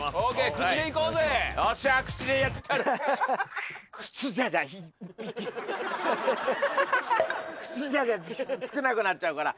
口じゃ少なくなっちゃうから。